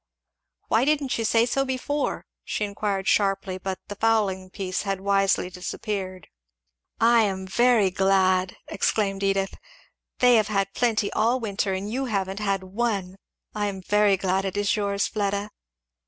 "Why didn't you say so before?" she inquired sharply; but the "fowling piece" had wisely disappeared. "I am very glad!" exclaimed Edith. "They have had plenty all winter, and you haven't had one I am very glad it is yours, Fleda."